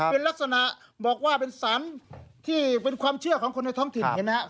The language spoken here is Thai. เป็นลักษณะบอกว่าเป็นสารที่เป็นความเชื่อของคนในท้องถิ่นเห็นไหมครับ